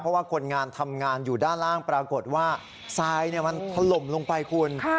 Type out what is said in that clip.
เพราะว่าคนงานทำงานอยู่ด้านล่างปรากฏว่าทรายมันถล่มลงไปคุณ